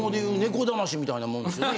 みたいなもんですよね？